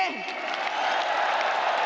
lagi yang keras